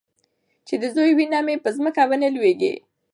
چې د زوى وينه مې په ځمکه ونه لوېږي.